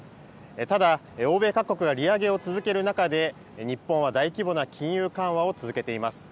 ただ、欧米各国が利上げを続ける中で、日本は大規模な金融緩和を続けています。